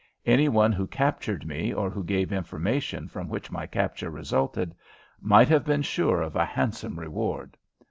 Any one who captured me or who gave information from which my capture resulted might have been sure of a handsome reward.